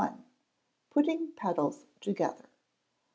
Putting Petals Together.